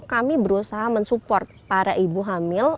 kami berusaha mensupport para ibu hamil